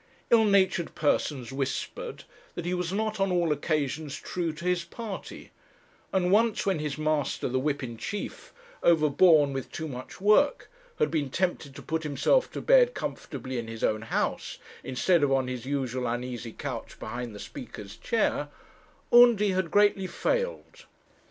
Ill natured persons whispered that he was not on all occasions true to his party; and once when his master, the whip in chief, overborne with too much work, had been tempted to put himself to bed comfortably in his own house, instead of on his usual uneasy couch behind the Speaker's chair, Undy had greatly failed.